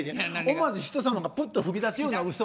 思わず人様がプッと吹き出すような嘘。